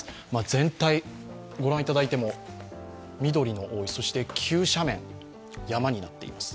全体、御覧いただいても緑の多いそして急斜面、山になっています